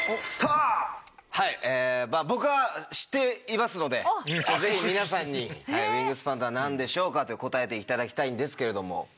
僕は知っていますのでぜひ皆さんに「ウイングスパンとは何でしょうか？」と答えていただきたいんですけれども。